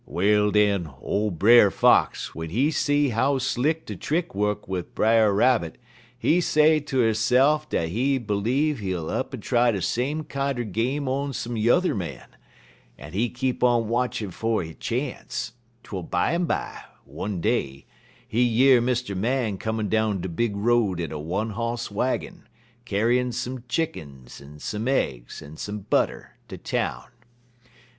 "Well, den, ole Brer Fox, w'en he see how slick de trick wuk wid Brer Rabbit, he say ter hisse'f dat he b'leeve he'll up'n try de same kinder game on some yuther man, en he keep on watchin' fer he chance, twel bimeby, one day, he year Mr. Man comin' down de big road in a one hoss waggin, kyar'n some chickens, en some eggs, en some butter, ter town.